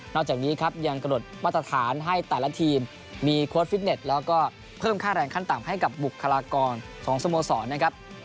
จากนี้ครับยังกระหนดมาตรฐานให้แต่ละทีมมีโค้ดฟิตเน็ตแล้วก็เพิ่มค่าแรงขั้นต่ำให้กับบุคลากรของสโมสรนะครับ